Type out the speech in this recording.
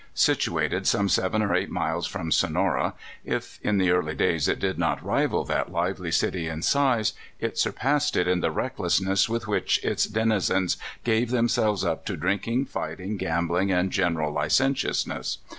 Situated some seven or eight miles from Sonora, if in the early days it did not rival that lively city in size, it sur passed it in the recklessness with which its deni zens gave themselves up to drinking, fighting, gambling, and general licentiousness.